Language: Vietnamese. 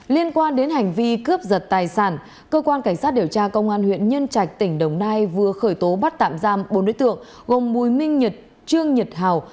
liên quan đến hành vi cướp giật tài sản cơ quan cảnh sát điều tra công an huyện nhân trạch tỉnh đồng nai vừa khởi tố bắt tạm giam bốn đối tượng gồm mùi minh nhật trương nhật hào